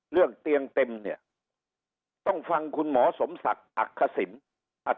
เรื่องเตียงเต็มเนี่ยต้องฟังคุณหมอสมศักดิ์อักษิณ